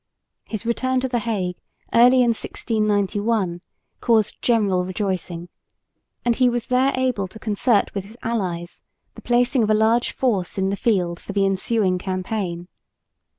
His return to the Hague early in 1691 caused general rejoicing, and he was there able to concert with his allies the placing of a large force in the field for the ensuing campaign.